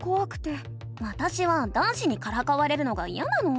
わたしは男子にからかわれるのがいやなの。